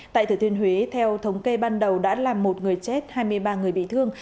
tại thừa thiên huế theo thống kê ban đầu đã làm một người chết hai mươi ba người bị thương